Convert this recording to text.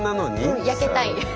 うん焼けたい。